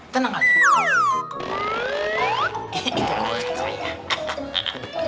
tenang aja pak de tenang aja